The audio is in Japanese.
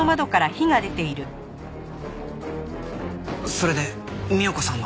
それで三代子さんは？